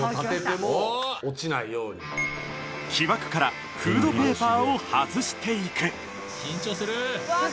木枠からフードペーパーを外していく。